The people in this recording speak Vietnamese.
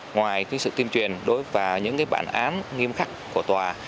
ngoài tuyên sự tuyên truyền đối với những bản án nghiêm khắc của tòa